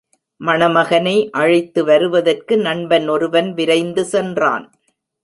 மணமகனை அழைத்து வருவதற்கு நண்பன் ஒருவன் விரைந்து சென்றான்.